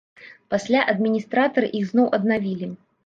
Пасля адміністратары іх зноў аднавілі.